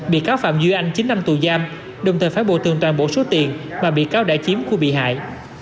bị cáo phạm duy anh chín năm tù giam đồng thời phải bồi tường toàn bộ số tiền mà bị cáo đã chiếm của bị hại